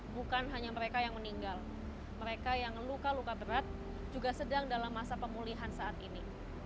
bukan hanya mereka yang meninggal mereka yang luka luka berat juga sedang dalam masa pemulihan saat ini